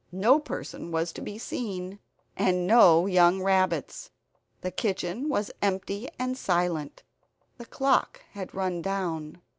No person was to be seen, and no young rabbits. The kitchen was empty and silent; the clock had run down.